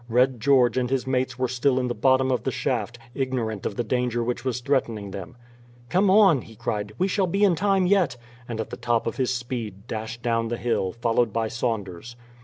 Red George and his mates were still in the bottom of the shaft, ignorant of the danger which was threatening them. "Come on," he cried; "we shall be in time yet," and at the top of his speed dashed down the hill, followed by Saunders.